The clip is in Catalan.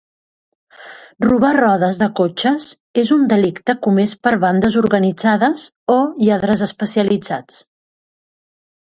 Robar rodes de cotxes és un delicte comès per bandes organitzades o lladres especialitzats